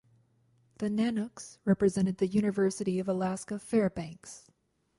The Nanooks represented the University of Alaska Fairbanks.